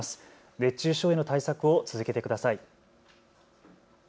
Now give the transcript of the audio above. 熱中症への対策を続けてください。